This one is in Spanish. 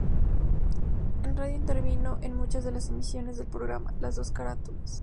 En radio intervino en muchas de las emisiones del programa "Las dos carátulas".